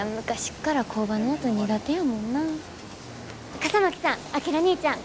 笠巻さん章にいちゃん。